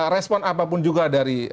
respon apapun juga dari dpd satu